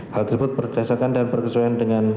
hal tersebut berdasarkan dan berkesesuaian dengan